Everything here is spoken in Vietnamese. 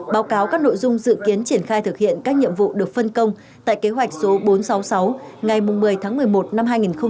báo cáo các nội dung dự kiến triển khai thực hiện các nhiệm vụ được phân công tại kế hoạch số bốn trăm sáu mươi sáu ngày một mươi tháng một mươi một năm hai nghìn hai mươi